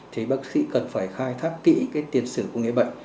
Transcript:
thì bác sĩ cần phải khai thác kỹ tiền xử của người bệnh